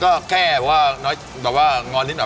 จำหน้าเขาได้ไหม